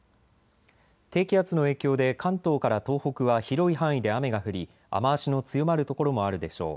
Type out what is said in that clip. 低気圧の影響で関東から東北は広い範囲で雨が降り雨足の強まる所もあるでしょう。